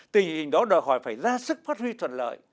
tình hình đó đòi hỏi phải ra sức phát huy thuận lợi